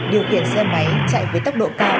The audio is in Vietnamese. điều khiển xe máy chạy với tốc độ cao